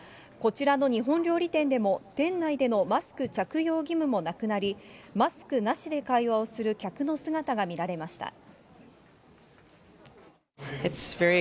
こちらの日本料理店でも、店内でのマスク着用義務もなくなり、マスクなしで会話をする客の姿が見られました。